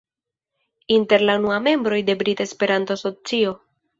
Inter la unuaj membroj de Brita Esperanto-Asocio.